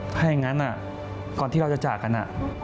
ถ้าอย่างนั้นก่อนที่เราจะจากกัน